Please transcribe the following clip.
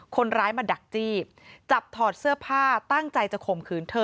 คนร้ายมาดักจี้จับถอดเสื้อผ้าตั้งใจจะข่มขืนเธอ